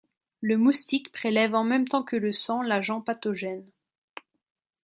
Le moustique prélève en même temps que le sang l'agent pathogène.